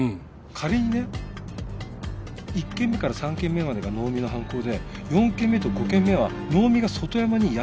仮にね１件目から３件目までが能見の犯行で４件目と５件目は能見が外山にやらせたとしたら。